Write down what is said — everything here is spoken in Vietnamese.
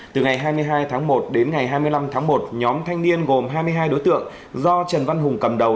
từ ngày hai mươi hai tháng một đến ngày hai mươi năm tháng một nhóm thanh niên gồm hai mươi hai đối tượng do trần văn hùng cầm đầu